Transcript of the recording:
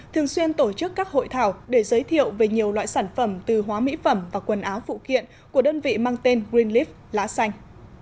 thường xuyên tổ chức các hội thảo để giới thiệu về nhiều loại sản phẩm từ hóa mỹ phẩm và quần áo phụ kiện của đơn vị mang tên greenleaf lá xanh